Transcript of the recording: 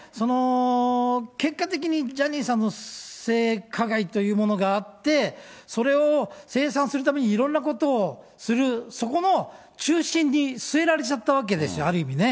結果的にジャニーさんの性加害というものがあって、それを清算するためにいろんなことをする、そこの中心に据えられちゃったわけですよ、ある意味ね。